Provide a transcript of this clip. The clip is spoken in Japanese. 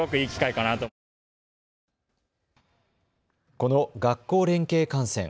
この学校連携観戦。